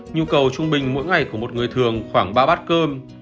nhu cầu trung bình mỗi ngày của một người thường khoảng ba bát cơm